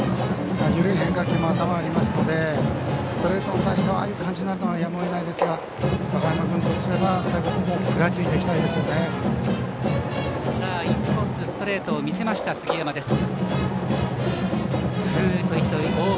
緩い変化球も頭にありますのでストレートに対してああいう感じになるのはやむをえないですが高山君とすれば最後、食らいついていきたいです。